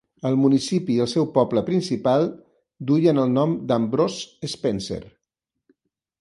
El municipi i el seu poble principal duien el nom d'Ambrose Spencer.